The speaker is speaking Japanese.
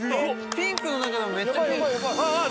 ピンクの中でもめっちゃピンク。